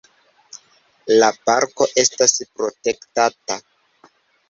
La parko estas protektata.